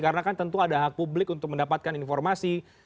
karena kan tentu ada hak publik untuk mendapatkan informasi